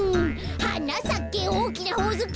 「はなさけおおきなほおずき」